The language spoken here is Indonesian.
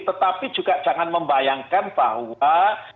tetapi juga jangan membayangkan bahwa